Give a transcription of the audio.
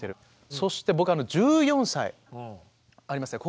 そして僕あの１４歳ありますね